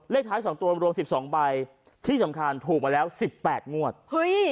เลขท้ายสองตัวรวมสิบสองใบที่สำคัญถูกมาแล้วสิบแปดงวดเฮ้ย